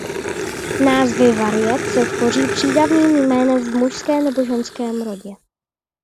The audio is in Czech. Názvy variet se tvoří přídavným jménem v mužském nebo ženském rodě.